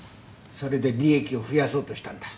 それで利益を増やそうとしたんだ。